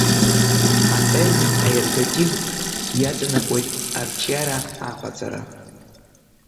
Атермин аергативтә ианаҵанакуеит арҿиара, аҟаҵара.